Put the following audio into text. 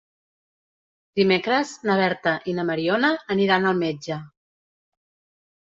Dimecres na Berta i na Mariona aniran al metge.